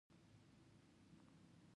انجينري ښه هنر دی